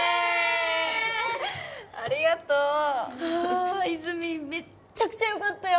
ありがとうは泉めっちゃくちゃよかったよ